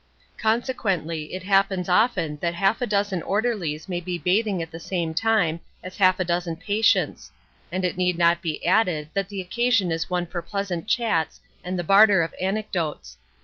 Consequently it happens often that half a dozen orderlies may be bathing at the same time as half a dozen patients and it need not be added that the occasion is one for pleasant chats and the barter of anecdotes.